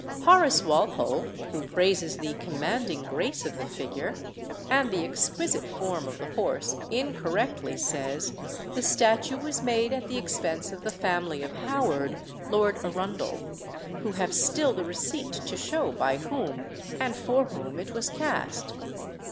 Horace Walpole, who praises the "commanding grace of the figure," and the "exquisite form of the horse," incorrectly says, "The statue was made at the expense of the family of Howard, Lord Arundel, who have still the receipt to show by whom and for whom it was cast."